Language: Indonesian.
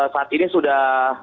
saat ini sudah